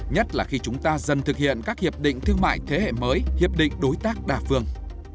nhất là khi chúng ta dần thực hiện các hiệp định thương mại thế hệ mới hiệp định đối tác đa phương